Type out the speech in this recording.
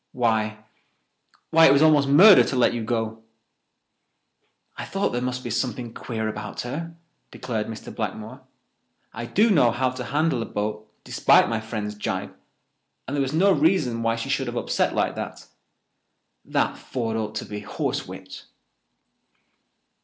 Why—why—it was almost murder to let you go!" "I thought there must be something queer about her," declared Mr. Blackmore. "I do know how to handle a boat despite my friend's gibe, and there was no reason why she should have upset like that. That Ford ought to be horsewhipped."